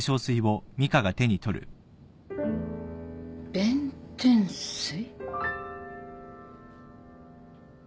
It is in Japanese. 弁天水？